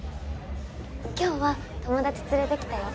今日は友達連れてきたよ。